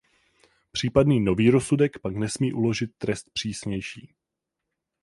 Případný nový rozsudek pak nesmí uložit trest přísnější.